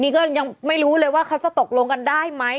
นี่ก็ยังไม่รู้เลยว่าเขาจะตกลงกันได้ไหม